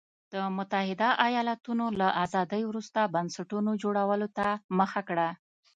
د متحده ایالتونو له ازادۍ وروسته بنسټونو جوړولو ته مخه کړه.